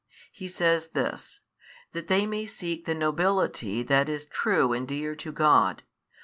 He says this, that they may seek the nobility that is true and dear to God.